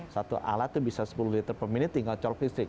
satu alat itu bisa sepuluh liter per menit tinggal colok listrik